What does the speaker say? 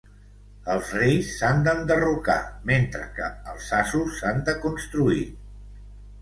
Els reis s'han d'enderrocar mentre que els asos s'han de construir.